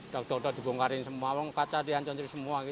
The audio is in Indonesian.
dokter dokter dibongkarin semua orang kaca dihancurin semua